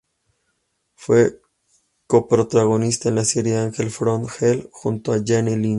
Fue coprotagonista en la serie Angel From Hell junto a Jane Lynch.